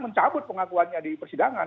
mencabut pengakuannya di persidangan